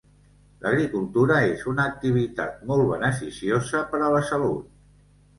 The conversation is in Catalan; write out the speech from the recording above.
L'agricultura és una activitat molt beneficiosa per a la salut.